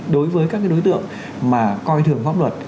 đối với các đối tượng mà coi thường pháp luật